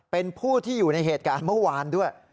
เป็นผู้ที่อยู่ในเหตุการณ์เมื่อวานด้วย